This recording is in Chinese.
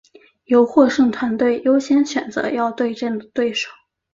由获胜团队优先选择要对阵的对手。